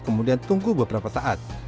kemudian tunggu beberapa saat